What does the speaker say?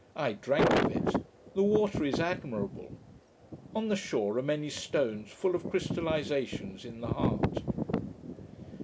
I drank of it. The water is admirable. On the shore are many stones full of crystallizations in the heart.